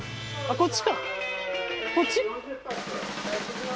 こっち？